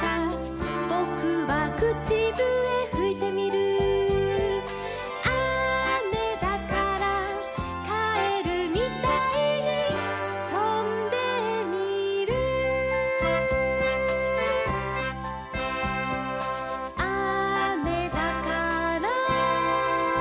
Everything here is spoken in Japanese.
「ぼくはくちぶえふいてみる」「あめだから」「かえるみたいにとんでみる」「あめだから」